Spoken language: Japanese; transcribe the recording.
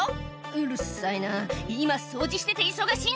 「うるさいな今掃除してて忙しいんだよ」